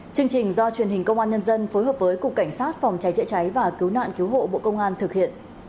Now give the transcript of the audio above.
chương trình do truyền hình công an nhân dân phối hợp với cục cảnh sát phòng trái trễ trái và cứu nạn cứu hộ bộ công an thực hiện